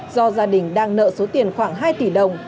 do gia đình đang nợ số tiền khoảng hai tỷ đồng